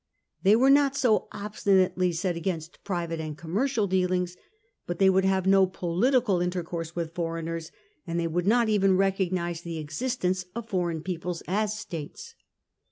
They were not so obstinately set against private and commercial dealings ; but they would have no political intercourse with foreigners, and they would not even recognise the existence of foreign peoples as States.